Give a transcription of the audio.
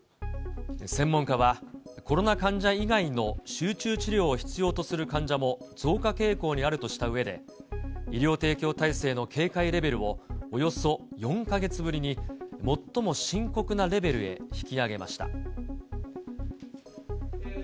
専門家は、コロナ患者以外の集中治療を必要とする患者も増加傾向にあるとしたうえで、医療提供体制の警戒レベルをおよそ４か月ぶりに、最も深刻なレベルへ引き上げました。